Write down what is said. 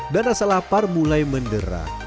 dan rasa lapar mulai menderah